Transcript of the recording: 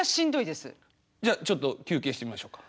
じゃあちょっと休憩してみましょうか。